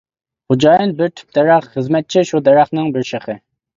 خوجايىن بىر تۈپ دەرەخ، خىزمەتچى شۇ دەرەخنىڭ بىر شېخى.